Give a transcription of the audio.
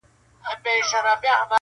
په دښتونو کي چي ګرځې وږی پلی٫